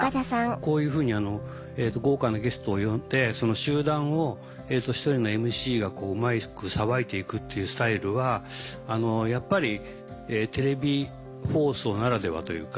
こういうふうに豪華なゲストを呼んでその集団を１人のＭＣがうまくさばいていくっていうスタイルはやっぱりテレビ放送ならではというか。